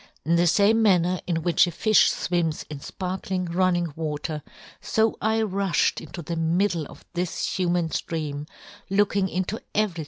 In the " fame manner in which a fifh fwims " in fparkling running water, fo I " rufhed into the middle of this " human ftream, looking into every 128 yohn Gutenberg.